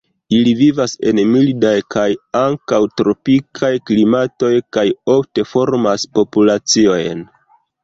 Ili vivas en mildaj kaj ankaŭ tropikaj klimatoj kaj ofte formas populaciojn.